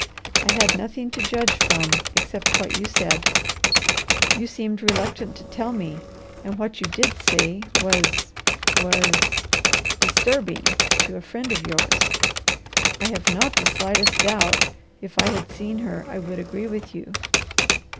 I had nothing to judge from except what you said: you seemed reluctant to tell me, and what you did say was was disturbing to a friend of yours. I have not the slightest doubt if I had seen her I would agree with you.